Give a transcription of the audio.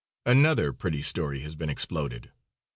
Another pretty, story has been exploded.